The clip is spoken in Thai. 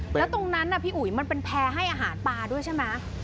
แล้วตรงนั้นน่ะพี่อุ๋ยมันเป็นแพร่ให้อาหารปลาด้วยใช่ไหม